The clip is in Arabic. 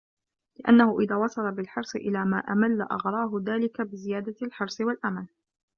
لِأَنَّهُ إذَا وَصَلَ بِالْحِرْصِ إلَى مَا أَمَّلَ أَغْرَاهُ ذَلِكَ بِزِيَادَةِ الْحِرْصِ وَالْأَمَلِ